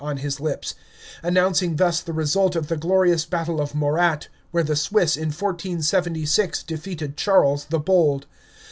on his lips, announcing thus the result of the glorious battle of Morat, where the Swiss in 1476 defeated Charles the Bold.